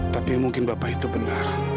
tapi mungkin bapak itu benar